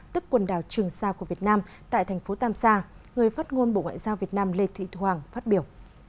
tức quần đảo trường sa của việt nam tại thành phố tam sa người phát ngôn bộ ngoại giao việt nam lê thị thu hoàng phát biểu